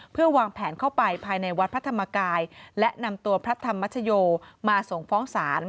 เพื่อวางแผนเข้าไปภายในวัดพระธรรมกายและนำตัวพระธรรมชโยมาส่งฟ้องศาล